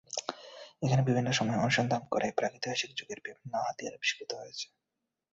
এখানে বিভিন্ন সময় অনুসন্ধান করে প্রাগৈতিহাসিক যুগের বিভিন্ন হাতিয়ার আবিষ্কৃত হয়েছে।